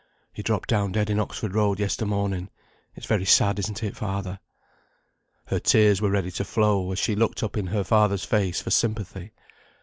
"He dropped down dead in Oxford Road yester morning. It's very sad, isn't it, father?" Her tears were ready to flow as she looked up in her father's face for sympathy.